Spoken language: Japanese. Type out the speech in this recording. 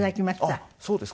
あっそうですか。